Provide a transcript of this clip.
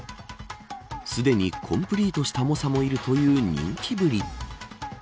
すでにコンプリートした猛者もいるという人気ぶり。